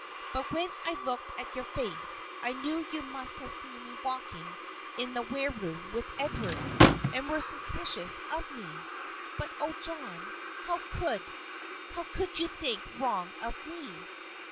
But when I looked at your face, I knew you must have seen me walking in the wareroom with Edward, and were suspicious of me. But oh, John, how could how could you think wrong of me?"